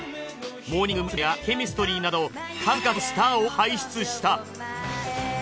モーニング娘やＣＨＥＭＩＳＴＲＹなど数々のスターを輩出した。